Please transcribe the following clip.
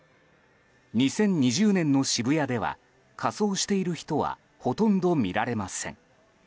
２０２０年の渋谷では仮装している人はほとんど見られません。